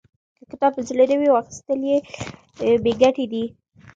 که کتاب په زړه نه وي، واخستل یې بې ګټې دی.